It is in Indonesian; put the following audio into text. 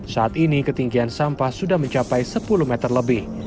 saat ini ketinggian sampah sudah mencapai sepuluh meter lebih